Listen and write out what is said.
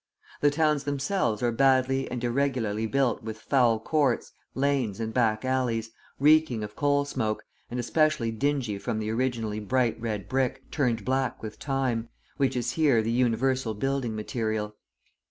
The towns themselves are badly and irregularly built with foul courts, lanes, and back alleys, reeking of coal smoke, and especially dingy from the originally bright red brick, turned black with time, which is here the universal building material.